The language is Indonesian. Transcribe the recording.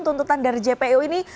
tuntutan dari jpu ini